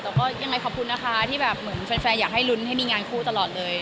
แต่ก็ยังไงขอบคุณนะคะที่แบบเหมือนแฟนอยากให้ลุ้นให้มีงานคู่ตลอดเลย